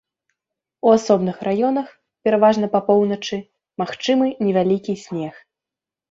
У асобных раёнах, пераважна па поўначы, магчымы невялікі снег.